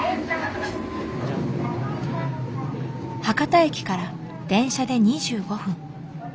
博多駅から電車で２５分。